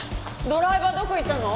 ドライバーどこ行ったの？